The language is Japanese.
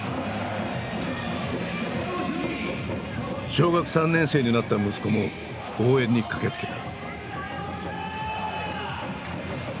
小学３年生になった息子も応援に駆けつけた。